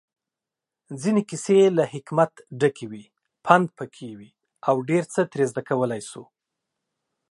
ځينې کيسې له حکمت ډکې وي، پندپکې وي اوډيرڅه ترې زده کولی شو